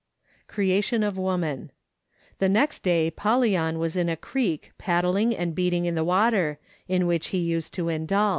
Creation of Woman. The next day Pallian was in a creek paddling and beating in the water, in which he used to indulge.